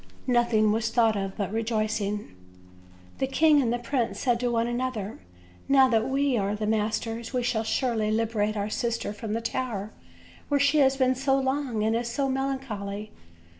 Nothing was thought of but rejoicing. The king and the prince said to one another: "Now that we are the masters, we may surely liberate our sister from the tower where she has been so long and is so mel oncholy."